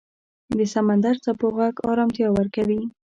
د سمندر څپو غږ آرامتیا ورکوي.